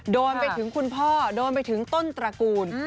โดนไปถึงคุณพ่อโดนไปถึงต้นตระกูล